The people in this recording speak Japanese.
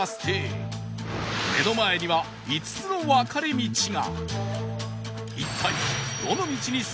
目の前には５つの分かれ道が